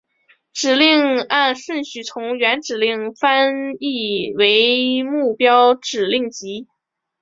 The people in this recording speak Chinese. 指令按顺序从原指令集翻译为目标指令集。